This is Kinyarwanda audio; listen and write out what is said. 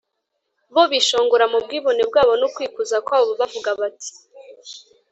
bo bishongora mu bwibone bwabo n’ukwikuza kwabo, bavuga bati